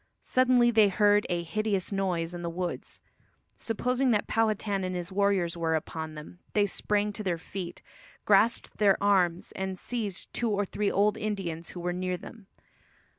Suddenly they heard a "hideous noise" in the woods. Supposing that Powhatan and his warriors were upon them, they sprang to their feet, grasped their arms and seized two or three old Indians who were near them.